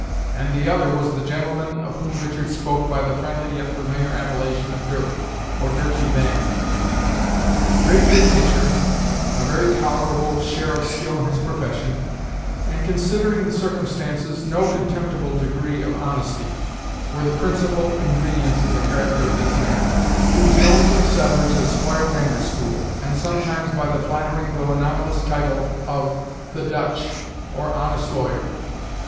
and the other was the gentleman of whom Richard spoke by the friendly yet familiar appellation of Dirck, or Dirky Van. Great good nature, a very tolerable share of skill in his profession, and, considering the circumstances, no contemptible degree of honesty, were the principal ingredients in the character of this man, who was known to the settlers as Squire Van der School, and sometimes by the flattering though anomalous title of the "Dutch" or "honest lawyer."